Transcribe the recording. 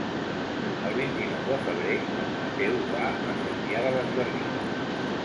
El vint-i-nou de febrer en Mateu va a Cervià de les Garrigues.